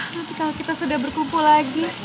nanti kalau kita sudah berkumpul lagi